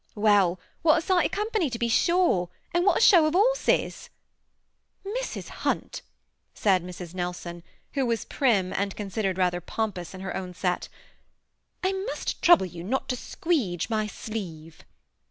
"Well, what a sight of company, to be sure ; and what a show of horses I "" Mrs. Hunt," said Mrs. Nelson, who was prim, and considered rather pompous in her own set, " I must trouble you not to squeedge my sleeve."